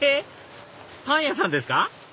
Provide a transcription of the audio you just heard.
パン屋さんですか？